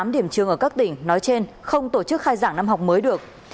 chín trăm hai mươi tám điểm trương ở các tỉnh nói trên không tổ chức khai giảng năm học mới được